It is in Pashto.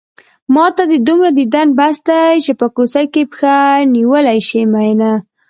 ماته دې دومره ديدن بس دی چې په کوڅه کې پښه نيولی شې مينه